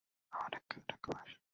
একথা মাথাতেও এনো না।